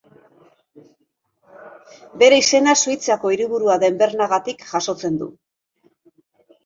Bere izena Suitzako hiriburua den Bernagatik jasotzen du.